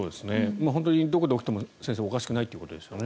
本当にどこで起きてもおかしくないってことですね。